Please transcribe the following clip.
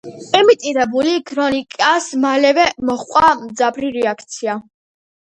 იმიტირებულ ქრონიკას მალევე მოჰყვა მძაფრი რეაქცია.